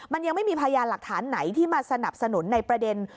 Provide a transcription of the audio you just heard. มันยังไม่มีพยานหลักฐานไหนที่มาสนับสนุนในประเด็น